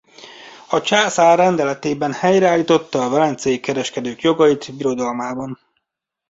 A császár rendeletében helyreállította a velencei kereskedők jogait birodalmában.